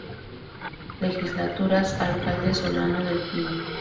Legislaturas: Alcaldes Solana del Pino.